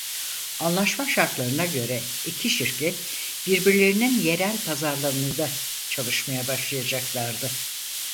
Anlaşma şartlarına göre iki şirket birbirlerinin yerel pazarlarında çalışmaya başlayacaklardı.